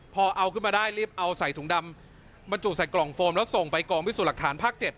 พอเอาขึ้นมาได้รีบเอาใส่ถุงดำบรรจุใส่กล่องโฟมแล้วส่งไปกองพิสูจน์หลักฐานภาค๗